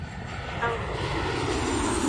Tanku.